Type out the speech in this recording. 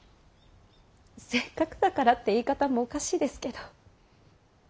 せっかくだからって言い方もおかしいですけど。